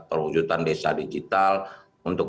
perwujudan desa digital untuk